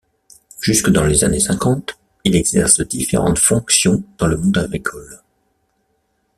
Jusque dans les années cinquante, il exerce différentes fonctions dans le monde agricole.